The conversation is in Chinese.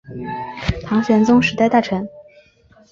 唐玄宗时代大臣。